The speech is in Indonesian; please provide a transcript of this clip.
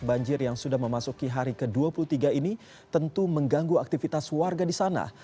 banjir yang sudah memasuki hari ke dua puluh tiga ini tentu mengganggu aktivitas warga di sana